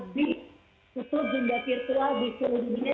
sudah diputih oleh seluruh jumlah lawan pas